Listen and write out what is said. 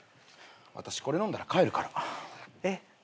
私これ飲んだら帰るから。